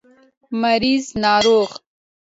مريض √ ناروغ